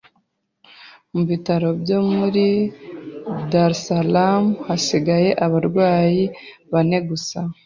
mu bitaro byo muri Dar-e-Salaam hasigaye abarwayi bane gusa.